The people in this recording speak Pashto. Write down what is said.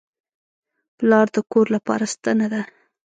پلار د کور لپاره ستنه ده.